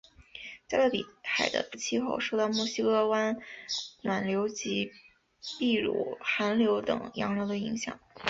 加勒比海的气候受到墨西哥湾暖流及秘鲁寒流等洋流的影响。